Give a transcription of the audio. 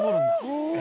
え！